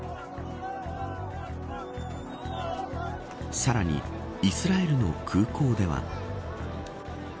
さらに、イスラエルの空港では。